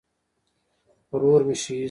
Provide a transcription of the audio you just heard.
ورور مې شهید شو